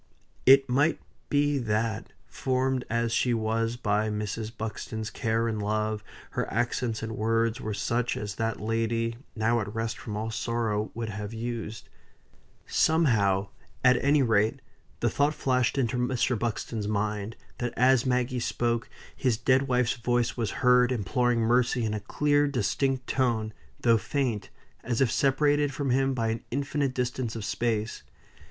It might be that, formed as she was by Mrs. Buxton's care and love, her accents and words were such as that lady, now at rest from all sorrow, would have used; somehow, at any rate, the thought flashed into Mr. Buxton's mind, that as Maggie spoke, his dead wife's voice was heard, imploring mercy in a clear, distinct tone, though faint, as if separated from him by an infinite distance of space.